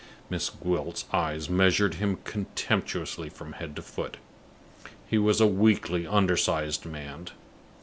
Miss Gwilt's eyes measured him contemptuously from head to foot. He was a weakly, undersized man.